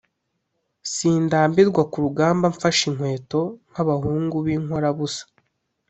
Sindambirwa ku rugamba mfashe inkweto, nk’abahungu b’inkorabusa,